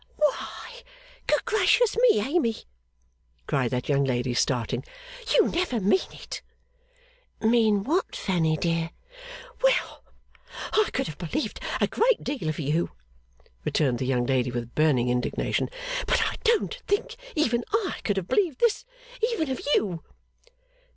'Why, good gracious me, Amy!' cried that young lady starting. 'You never mean it!' 'Mean what, Fanny dear?' 'Well! I could have believed a great deal of you,' returned the young lady with burning indignation, 'but I don't think even I could have believed this, of even you!